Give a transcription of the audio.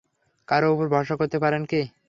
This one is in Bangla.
কারও উপর ভরসা করতে পারেন নি?